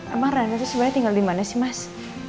emang rena tuh sebenernya tinggal dimana sih mas